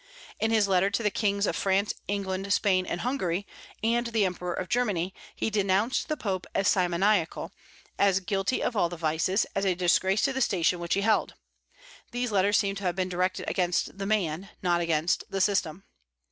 In his letters to the kings of France, England, Spain, and Hungary, and the Emperor of Germany, he denounced the Pope as simoniacal, as guilty of all the vices, as a disgrace to the station which he held. These letters seem to have been directed against the man, not against the system.